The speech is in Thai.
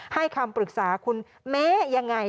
ให้คำปรึกษาคุณแม่ยังไง